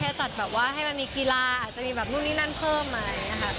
แค่จัดแบบว่าให้มันมีกีฬาอาจจะมีแบบนู้นนี่นั่นเพิ่มอะไรนะครับ